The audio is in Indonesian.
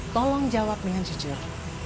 tolong jawab dengan jujur